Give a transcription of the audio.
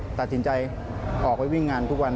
ตัดสินใจออกไปวิ่งงานทุกวัน